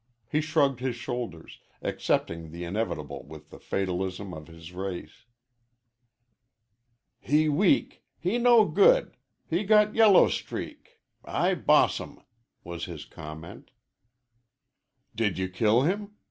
He shrugged his shoulders, accepting the inevitable with the fatalism of his race. "He weak. He no good. He got yellow streak. I bossum," was his comment. "Did you kill him?"